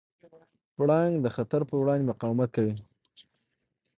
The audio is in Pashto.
پړانګ د خطر پر وړاندې مقاومت کوي.